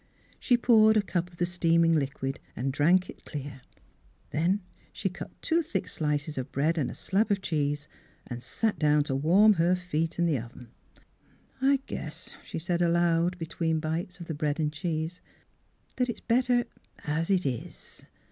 She poured a cup of the steaming liquid and drank it clear; then she cut two thick slices of bread and a slab of cheese and sat down to warm her feet in the oven. " I guess," she said aloud between bites of the bread and cheese, " that it's better as it is."